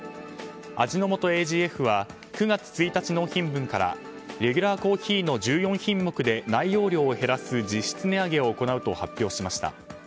味の素ＡＧＦは９月１日納品分からレギュラーコーヒーの１４品目で内容量を減らす実質値上げを行うと発表しました。